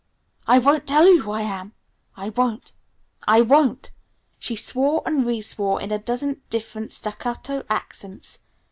"I won't tell you who I am! I won't! I won't!" she swore and reswore in a dozen different staccato accents.